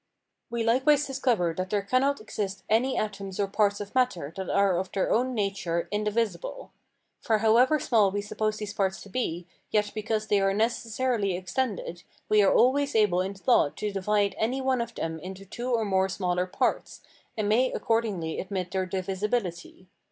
We likewise discover that there cannot exist any atoms or parts of matter that are of their own nature indivisible. For however small we suppose these parts to be, yet because they are necessarily extended, we are always able in thought to divide any one of them into two or more smaller parts, and may accordingly admit their divisibility.